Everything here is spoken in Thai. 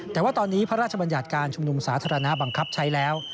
แต่ว่าตอนนี้พระราชบัญญัติการชุมนุมสาธารณะบังคับใช้แล้ว